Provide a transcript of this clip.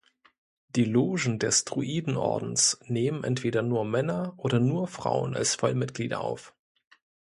Die Logen des Druiden-Ordens nehmen entweder nur Männer oder nur Frauen als Vollmitglieder auf.